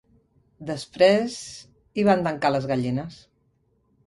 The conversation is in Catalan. Després... hi van tancar les gallines